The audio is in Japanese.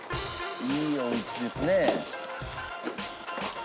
いいお家ですね。